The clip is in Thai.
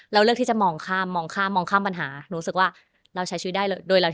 เลือกที่จะมองข้ามมองข้ามมองข้ามปัญหาหนูรู้สึกว่าเราใช้ชีวิตได้เลยโดยเรา